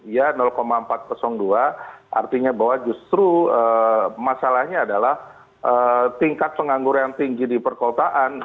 ya empat ratus dua artinya bahwa justru masalahnya adalah tingkat pengangguran tinggi di perkotaan